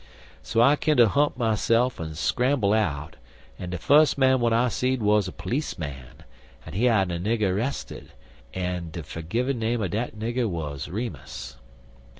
So I kinder hump myse'f an' scramble out, and de fus man w'at I seed was a pleeceman, an' he had a nigger 'rested, an' de fergiven name er dat nigger wuz Remus."